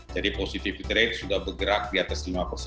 jadi positivity rate sudah bergerak di atas lima